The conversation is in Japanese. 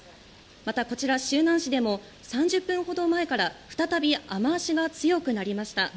また、こちら周南市でも３０分ほど前から再び雨脚が強くなりました。